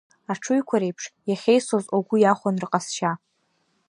Аҽыҩқәа реиԥш иахьеисоз угәы иахәон рыҟазшьа.